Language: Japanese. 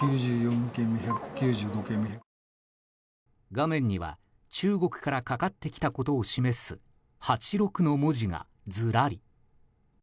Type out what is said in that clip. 画面には中国からかかってきたことを示す８６の文字がずらり。